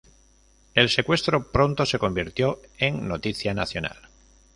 El secuestro pronto se convirtió en noticia nacional.